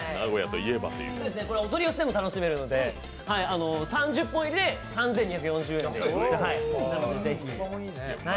お取り寄せでも楽しめるので３０本入りで３２４０円です。